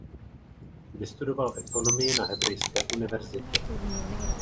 Vystudoval ekonomii na Hebrejské univerzitě.